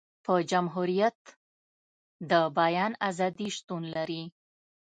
په جمهوريت د بیان ازادي شتون لري.